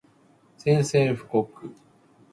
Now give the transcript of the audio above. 宣戦布告